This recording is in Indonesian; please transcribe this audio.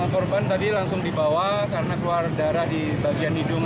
korban tadi langsung dibawa karena keluar darah di bagian hidung